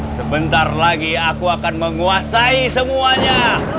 sebentar lagi aku akan menguasai semuanya